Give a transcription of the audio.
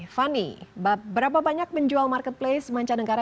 fani berapa banyak penjual marketplace mancanegara